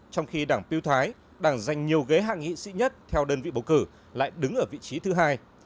trong khi đảng tiêu thái đảng giành nhiều ghế hạ nghị sĩ nhất theo đơn vị bầu cử lại đứng ở vị trí thứ hai